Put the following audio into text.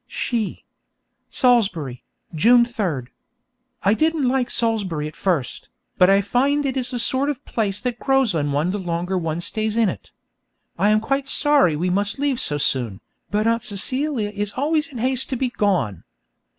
She Salisbury, June 3. I didn't like Salisbury at first, but I find it is the sort of place that grows on one the longer one stays in it. I am quite sorry we must leave so soon, but Aunt Celia is always in haste to be gone.